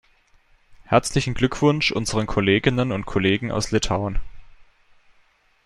Herzlichen Glückwunsch unseren Kolleginnen und Kollegen aus Litauen.